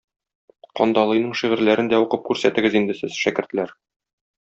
Кандалыйның шигырьләрен дә укып күрсәтегез инде сез, шәкертләр.